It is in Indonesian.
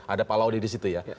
ada pak laude disitu ya